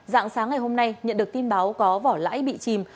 dạng sáng ngày hôm nay nhận được tin báo có vỏ lãi bị chìm